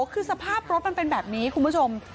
คือสภาพรถมันเป็นแบบนี้คุณผู้ชม